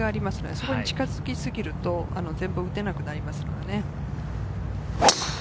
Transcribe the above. そこに近づきすぎると打てなくなります。